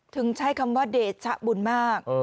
ถึงใช้คำว่าเดชะบุญมาก